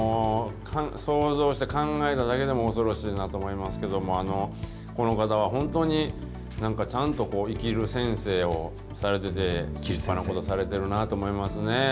想像して考えただけでも恐ろしいなと思いますけども、この方は本当に、なんかちゃんと生きる先生をされてて、立派なことされてるなと思いますね。